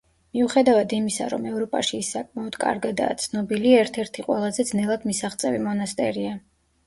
მიუხედავად იმისა, რომ ევროპაში ის საკმაოდ კარგადაა ცნობილი, ერთ-ერთი ყველაზე ძნელად მისაღწევი მონასტერია.